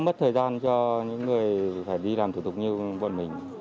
mất thời gian cho những người phải đi làm thủ tục như bọn mình